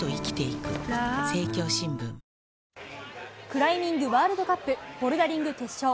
クライミングワールドカップ、ボルダリング決勝。